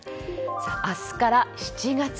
明日から７月。